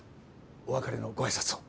お別れのご挨拶を。